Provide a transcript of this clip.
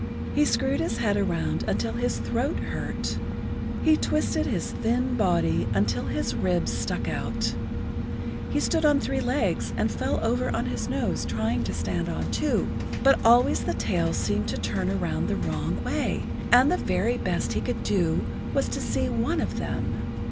He screwed his head around until his throat hurt, he twisted his thin body until his ribs stuck out, he stood on three legs and fell over on his nose trying to stand on two, but always the tails seemed to turn around the wrong way, and the very best he could do was to see one of them.